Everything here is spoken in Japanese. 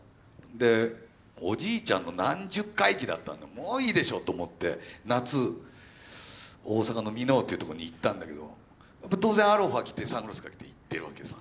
でおじいちゃんの何十回忌だったんでもういいでしょと思って夏大阪の箕面っていうとこに行ったんだけど当然アロハ着てサングラスかけて行ってるわけさ。